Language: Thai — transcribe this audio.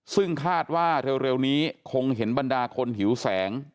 ซึ่งคาดว่าเร็วนี้คงเห็นบรรดาคนหิวแสง